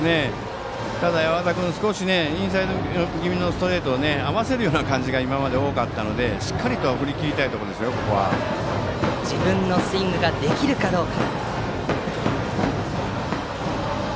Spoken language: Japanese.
ただ、八幡君インサイド気味のストレートに合わせるような感じが多かったのでしっかりと振り切りたいところです、ここは。自分のスイングができるかどうか。